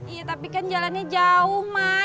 iya tapi kan jalannya jauh mas